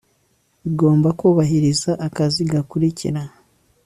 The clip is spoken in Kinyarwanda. bigomba kubahiriza akazi gakurikira